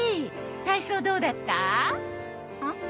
体操どうだった？ん？